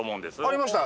ありました！